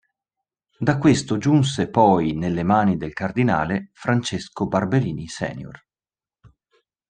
Da questo giunse poi nelle mani del cardinale Francesco Barberini, Sr.